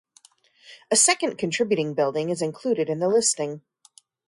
A second contributing building is included in the listing.